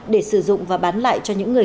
để sử dụng và bán lại